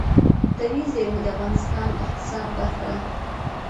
طبیعي زیرمې د افغانستان د اقتصاد برخه ده.